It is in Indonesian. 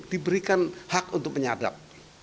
diberikan hak untuk penyadap